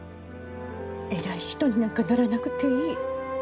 偉い人になんかならなくていい。